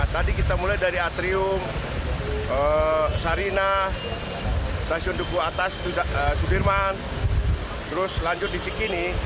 tadi kita mulai dari atrium sarinah stasiun duku atas sudirman terus lanjut di cikini